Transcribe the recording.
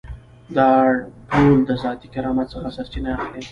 دا ټول د ذاتي کرامت څخه سرچینه اخلي.